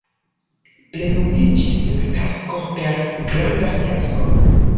Plenumiĝis la tasko per granda fiasko.